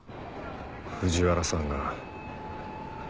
藤原さんが。